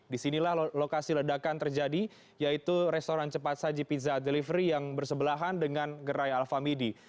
di sinilah lokasi ledakan terjadi yaitu restoran cepat saji pizza delivery yang bersebelahan dengan gerai al famidi